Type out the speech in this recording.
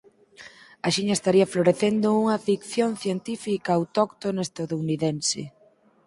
Axiña estaría florecendo unha ficción científica autóctona estadounidense.